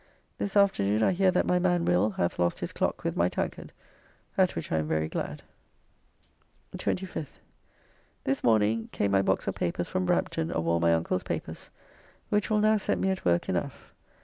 This afternoon I hear that my man Will hath lost his clock with my tankard, at which I am very glad. 25th. This morning came my box of papers from Brampton of all my uncle's papers, which will now set me at work enough.